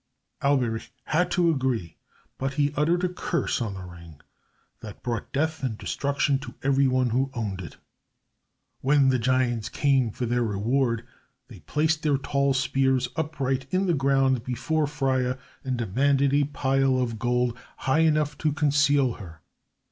Alberich had to agree, but he uttered a curse on the ring that brought death and destruction to everyone who owned it. When the giants came for their reward, they placed their tall spears upright in the ground before Freia, and demanded a pile of gold high enough to conceal her.